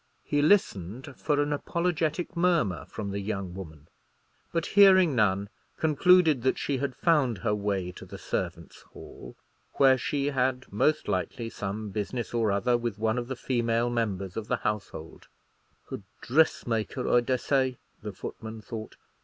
He listened for an apologetic murmur from the young woman; but hearing none, concluded that she had found her way to the servants' hall, where she had most likely some business or other with one of the female members of the household. "A dressmaker, I dessay," the footman thought.